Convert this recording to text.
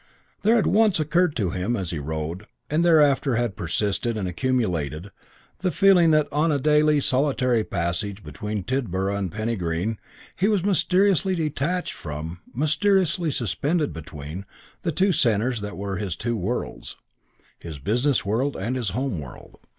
There had once occurred to him as he rode, and thereafter had persisted and accumulated, the feeling that, on the daily, solitary passage between Tidborough and Penny Green, he was mysteriously detached from, mysteriously suspended between, the two centres that were his two worlds, his business world and his home world.